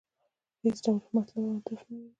چې هېڅ ډول مطلب او هدف نه لري.